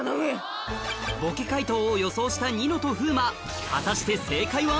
ボケ解答を予想したニノと風磨果たして正解は。